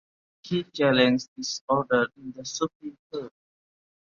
He challenged this order in the Supreme Court.